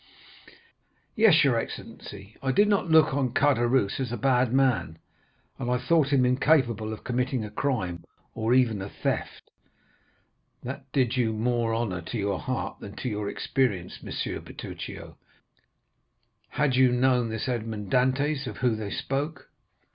"Yes, your excellency. I did not look on Caderousse as a bad man, and I thought him incapable of committing a crime, or even a theft." "That did more honor to your heart than to your experience, M. Bertuccio. Had you known this Edmond Dantès, of whom they spoke?"